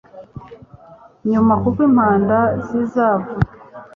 nyuma Kuko impanda z izavu